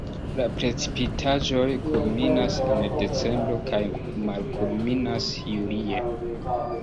La precipitaĵoj kulminas en decembro kaj malkulminas julie.